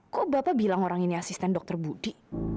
kok bapak bilang orang ini asisten dokter budi